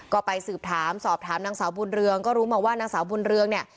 ก็ไปสืบถามสอบถามนางสาวบุญเรืองก็รู้มาว่านางสาวบุญเรืองเนี่ย